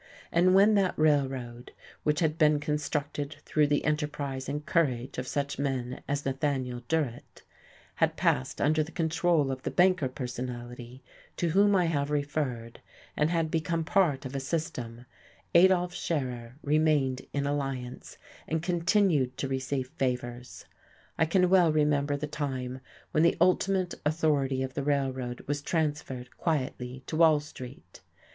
And when that Railroad (which had been constructed through the enterprise and courage of such men as Nathaniel Durrett) had passed under the control of the banker personality to whom I have referred, and had become part of a system, Adolf Scherer remained in alliance, and continued to receive favours.... I can well remember the time when the ultimate authority of our Railroad was transferred, quietly, to Wall Street.